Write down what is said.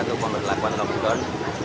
untuk berlakuan robot